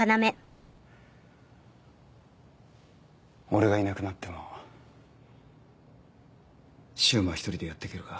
俺がいなくなっても柊磨１人でやってけるか？